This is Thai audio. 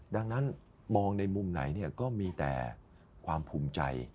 ดังนั้นมองในมุมไหนก็มีแต่ความภูมิใจ